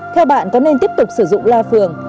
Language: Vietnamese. theo bạn có nên tiếp tục sử dụng la phường